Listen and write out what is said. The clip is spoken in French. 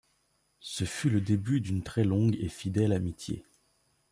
Ce fut le début d'une très longue et fidèle amitié.